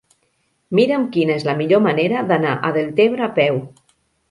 Mira'm quina és la millor manera d'anar a Deltebre a peu.